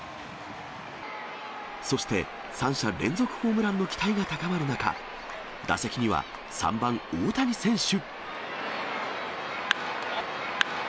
そして、３者連続ホームランの期待が高まる中、打席には３番大谷選手。